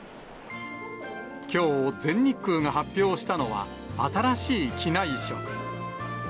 きょう、全日空が発表したのは、新しい機内食。